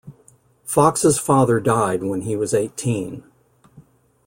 Fox's father died when he was eighteen.